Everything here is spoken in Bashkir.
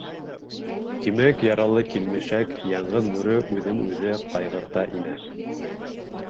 Тимәк, яралы килмешәк — яңғыҙ бүре, үҙен үҙе ҡайғырта, инә